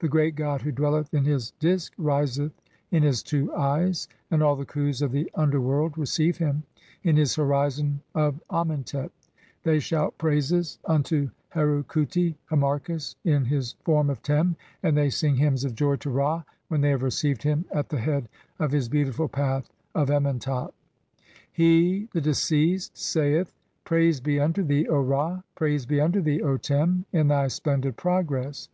1 The great god who dwelleth in his "Disk riseth in his two eyes 2 and all the Khus of the under "world receive him in his horizon of Amentet ; they shout praises "unto Heru khuti (Harmachis) in his form of Tern, and they sing "hymns of jov to Ra when they have received him at the head "of his beautiful path of Amentet." He (7. <?., the deceased) saith : "Praise be unto thee, O Ra, "praise be unto thee, O Tem, in thy splendid progress.